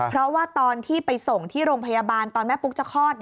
เพราะว่าตอนที่ไปส่งที่โรงพยาบาลตอนแม่ปุ๊กจะคลอด